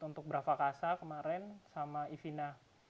untuk brava casa kemarin sama ivina